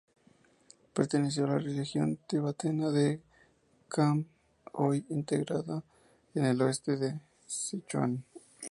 Perteneció a la región tibetana de Kham, hoy integrada en el oeste de Sichuan.